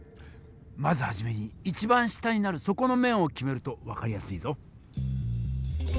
まずはじめに一番下になる底の面を決めると分かりやすいぞ。